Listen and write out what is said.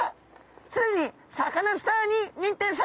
既にサカナスターに認定されております